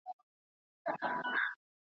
سوځول مي خلوتونه هغه نه یم .